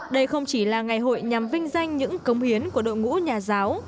đây không chỉ là ngày hội nhằm vinh danh những công hiến của đội ngũ nhà giáo